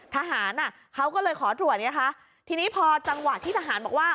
ทหารอ่ะเขาก็เลยขอตรวจไงคะทีนี้พอจังหวะที่ทหารบอกว่า